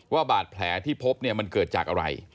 ว่าบาดแผลที่พบเนี่ยมันเกิดจากอะไร